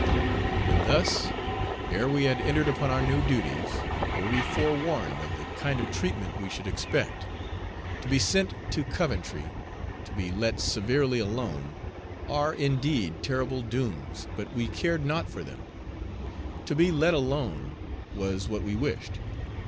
And thus, ere we had entered upon our new duties, were we forewarned of the kind of treatment we should expect. To be "sent to Coventry," "to be let severely alone," are indeed terrible dooms, but we cared naught for them. "To be let alone" was what we wished.